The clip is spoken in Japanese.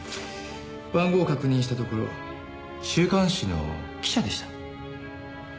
番号を確認したところ週刊誌の記者でした。